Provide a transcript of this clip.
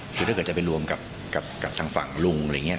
คือถ้าเกิดจะไปรวมกับทางฝั่งลุงอะไรอย่างนี้